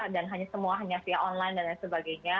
dan semua hanya via online dan sebagainya